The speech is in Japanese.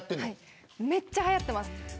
めっちゃはやってます。